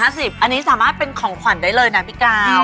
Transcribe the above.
อันนี้สามารถเป็นของขวัญได้เลยนะพี่กาว